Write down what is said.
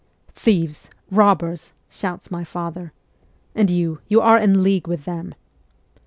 ' Thieves, robbers !' shouts my father, ' And you, you are in league with them